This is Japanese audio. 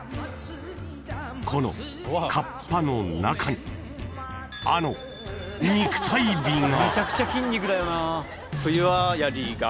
［このかっぱの中にあの肉体美が］